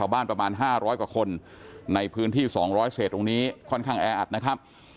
บ้านประมาณ๕๐๐กว่าคนในพื้นที่๒๐๐เศษตรงนี้ค่อนข้างแออัดนะครับ